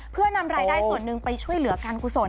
เพื่อนำรายได้ส่วนหนึ่งไปช่วยเหลือการกุศล